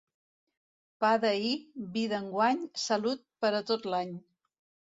Pa d'ahir, vi d'enguany, salut per a tot l'any.